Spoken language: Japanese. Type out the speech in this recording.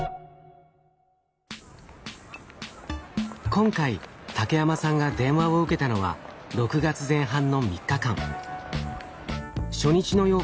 今回竹山さんが電話を受けたのは６月前半の３日間。